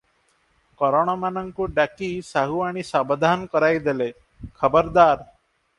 କରଣମାନଙ୍କୁ ଡାକି ସାହୁଆଣୀ ସାବଧାନ କରାଇଦେଲେ, "ଖବରଦାର!